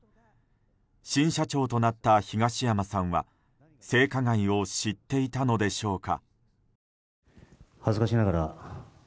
新社長となった東山さんは性加害を知っていたのでしょうか。